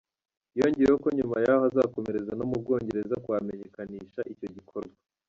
Yongeyeho ko nyuma y’aho azakomereza no mu Bwongereza kuhamenyekanisha icyo gikorwa.